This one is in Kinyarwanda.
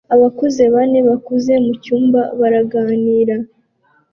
Abakuze bane bakuze mucyumba baraganira